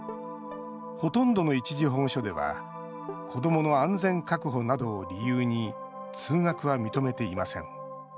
ほとんどの一時保護所では子どもの安全確保などを理由に通学は認めていません。